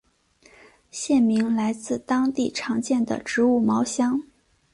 县名来自当地常见的植物茅香。